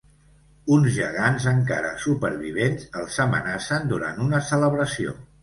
Uns gegants, encara supervivents, els amenacen durant una celebració.